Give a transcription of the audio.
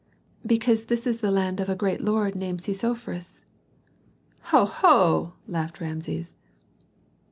"Because this is the land of a great lord named Sesofris." "Ho! ho!" laughed Rameses.